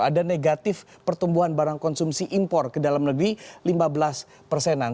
ada negatif pertumbuhan barang konsumsi impor ke dalam negeri lima belas persenan